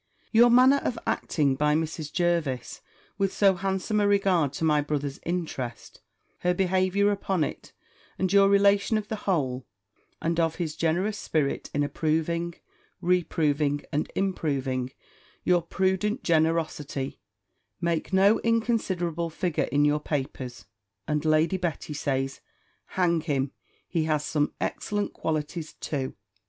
Your manner of acting by Mrs. Jervis, with so handsome a regard to my brother's interest, her behaviour upon it, and your relation of the whole, and of his generous spirit in approving, reproving, and improving, your prudent generosity, make no inconsiderable figure in your papers. And Lady Betty says, "Hang him, he has some excellent qualities too.